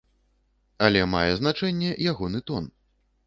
Але мае значэнне ягоны тон.